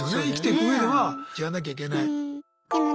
生きてくうえではやらなきゃいけない。